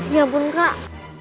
ya ampun kak